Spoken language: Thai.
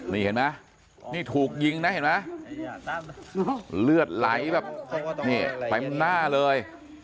นี่เห็นไหมนี่ถูกยิงนะเห็นไหมเลือดไหลแบบนี่เต็มหน้าเลย